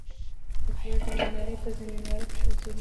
اکبر زمینداوری په زمینداور کښي اوسېدﺉ.